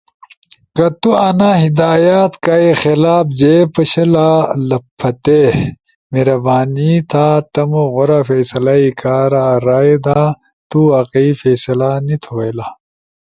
کہ تو انا ہدایات کائی خلاف جے پشلا لپھاتی، مہربانی تھا تمو غورا فیصلہ ئی کارا رائے دا۔ تو واقعی فیصلہ نی تھو بئیلا،